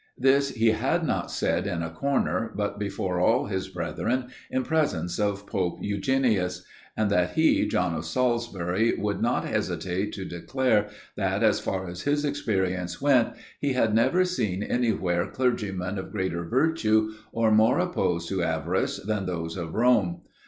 This he had not said in a corner, but before all his brethren, in presence of Pope Eugenius; and yet he, John of Salisbury, would not hesitate to declare that, as far as his experience went, he had never seen anywhere clergymen of greater virtue, or more opposed to avarice, than those of Rome.